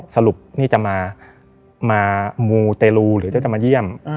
สรุปนี่จะมามูเตรลูหรือจะมาเยี่ยม